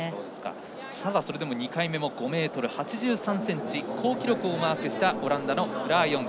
ただ２回目も５ｍ８３ｃｍと好記録をマークしたオランダのフラー・ヨング。